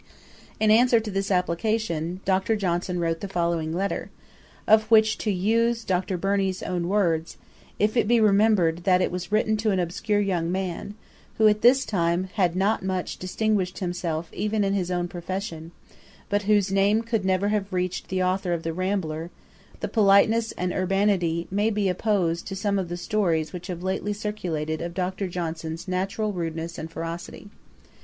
] In answer to this application, Dr. Johnson wrote the following letter, of which (to use Dr. Burney's own words) 'if it be remembered that it was written to an obscure young man, who at this time had not much distinguished himself even in his own profession, but whose name could never have reached the authour of The Rambler, the politeness and urbanity may be opposed to some of the stories which have been lately circulated of Dr. Johnson's natural rudeness and ferocity.'